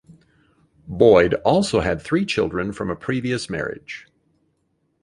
Boyd also had three children from a previous marriage.